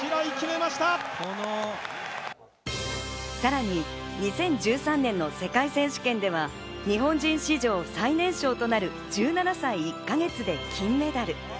さらに２０１３年の世界選手権では、日本人史上最年少となる１７歳１か月で金メダル。